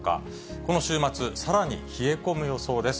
この週末、さらに冷え込む予想です。